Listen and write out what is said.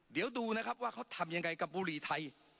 เดี๋ยวดูนะครับว่าเขาทำยังไงกับบุรีไทย